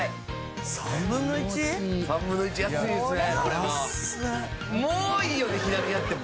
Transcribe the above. ３分の１？３分の１安いですね。